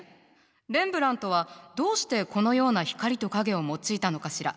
レンブラントはどうしてこのような光と影を用いたのかしら？